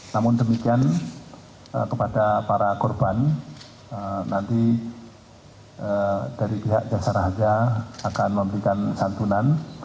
namun demikian kepada para korban nanti dari pihak jasara harja akan memberikan santunan